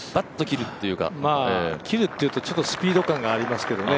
切るというと、ちょっとスピード感がありますけどね。